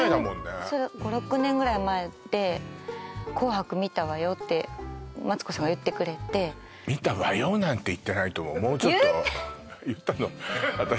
５年そう５６年ぐらい前でってマツコさんが言ってくれて見たわよなんて言ってないと思う言った言ったの？